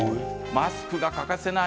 マスクがかかせない